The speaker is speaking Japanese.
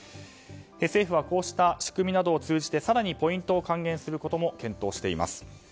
政府はこうした仕組みなどを通じて更にポイントを還元することも検討しています。